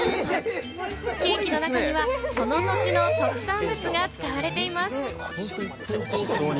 ケーキの中には、その土地の特産物が使われています。